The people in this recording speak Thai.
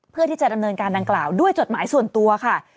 เพื่อที่จะดำเนินการดังกล่าวด้วยจดหมายส่วนตัวค่ะ